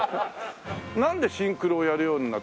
なんでシンクロをやるようになった？